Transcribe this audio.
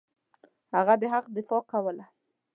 هغه د حق دفاع کوله.